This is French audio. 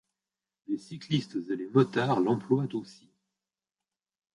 Les cyclistes et les motards l’emploient aussi.